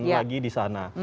lagi di sana